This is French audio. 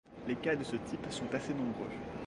Les cas de ce type sont assez nombreux.